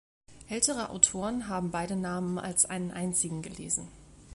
Ältere Autoren haben beide Namen als einen einzigen gelesen.